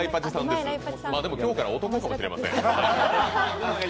でも、今日から男かもしれません。